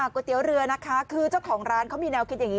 เตี๋ยวเรือนะคะคือเจ้าของร้านเขามีแนวคิดอย่างนี้